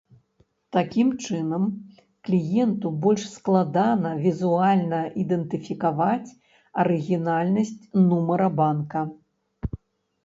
Такім чынам, кліенту больш складана візуальна ідэнтыфікаваць арыгінальнасць нумара банка.